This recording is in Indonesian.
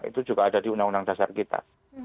itu juga ada di undang undang dasar kita